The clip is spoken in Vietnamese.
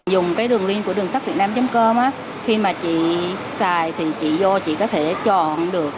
dùng cái đường liên của đường sắt việt nam com khi mà chị xài thì chị vô chị có thể chọn được